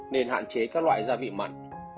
nên hạn chế các loại gia vị mặn